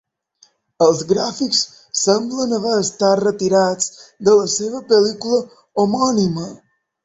Els gràfics semblen haver estat retirats de la seva pel·lícula homònima.